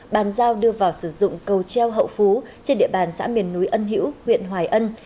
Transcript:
bàn giao đưa vào sử dụng cầu treo hậu phú trên địa bàn xã miền núi ân hữu huyện hoài ân